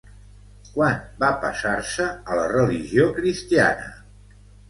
Quan va passar-se a la religió cristiana?